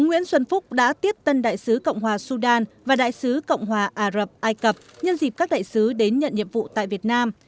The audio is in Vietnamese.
nguyễn xuân phúc đã tiếp tân đại sứ cộng hòa sudan và đại sứ cộng hòa ả rập ai cập nhân dịp các đại sứ đến nhận nhiệm vụ tại việt nam